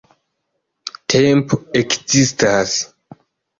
Tempo ekzistas!